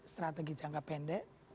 strategi jangka pendek